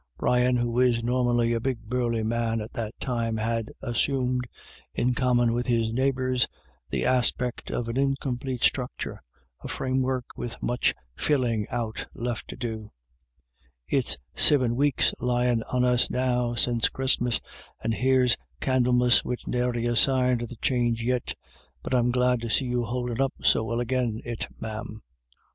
Brian, who is normally a big burly man, at that time had assumed, in common with his neighbours, the aspect of an incomplete structure, a framework with much filling out left to da " It's siven weeks lyin' on us now sin' Christmas, and here's Candle mas wid nary a sign of a change yit But I'm glad to see you houldin' up so well agin it, ma'am."